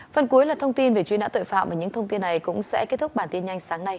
phần cuối là thông tin về truy nã tội phạm và những thông tin này cũng sẽ kết thúc bản tin nhanh sáng nay